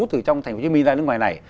từ trong tp hcm ra nước ngoài này